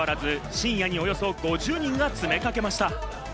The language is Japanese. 深夜におよそ５０人が詰めかけました。